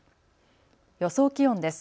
予想気温です。